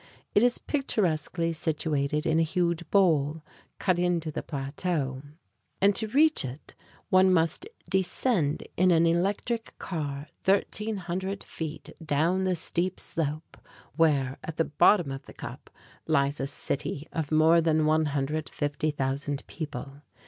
It is picturesquely situated in a huge bowl, cut into the plateau; and to reach it one must descend in an electric car, 1,300 feet down the steep slope, where, at the bottom of the cup, lies a city of more than 150,000 people.